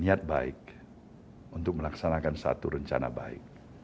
niat baik untuk melaksanakan satu rencana baik